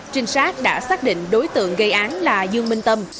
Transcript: trinh sát đã xác định đối tượng gây án là dương minh tâm